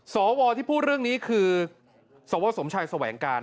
สวที่พูดเรื่องนี้คือสวสมชัยแสวงการ